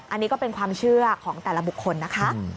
อันนี้ก็เป็นความเชื่อของแต่ละบุคคลนะคะ